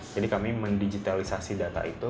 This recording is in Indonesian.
jadi kami mendigitalisasi data itu